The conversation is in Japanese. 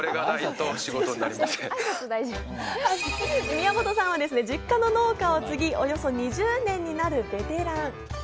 宮本さんはですね、実家の農家を継ぎ、およそ２０年になるベテラン。